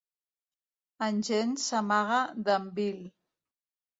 En Jen s'amaga d'en Bill.